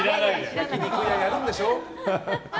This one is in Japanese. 焼き肉屋やるんでしょ？